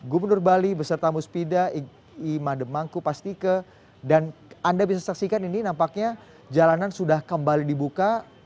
gumenur bali berserta muspida ima demangku pastike dan anda bisa saksikan ini nampaknya jalanan sudah kembali dibuka